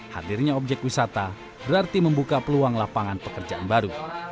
hadirnya objek wisata berarti membuka peluang lapangan pekerjaan baru